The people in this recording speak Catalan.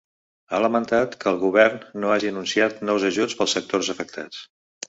Ha lamentat que el govern no hagi anunciat nous ajuts pels sectors afectats.